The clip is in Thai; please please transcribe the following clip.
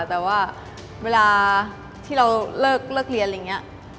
แต่ว่าเวลาที่เราเลิกเรียนอะไรอย่างนี้